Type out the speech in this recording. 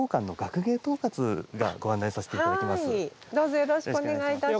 ここからはどうぞよろしくお願いいたします。